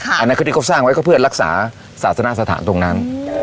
อันนั้นคือที่เขาสร้างไว้ก็เพื่อรักษาศาสนสถานตรงนั้น